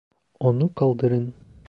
Onu kaldırın.